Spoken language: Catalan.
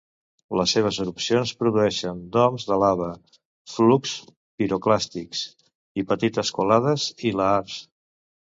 Les seves erupcions produeixen doms de lava, flux piroclàstic i petites colades i lahars.